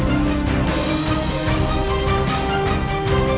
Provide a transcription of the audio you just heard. bangkang te syria